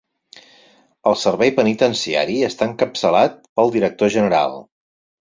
El Servei Penitenciari està encapçalat pel director general.